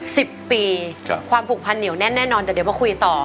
สิบปีครับความผูกพันเหนียวแน่นแน่นอนแต่เดี๋ยวมาคุยต่อ